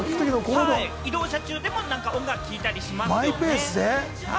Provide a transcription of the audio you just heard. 移動の間にも音楽聴いたりしますよね。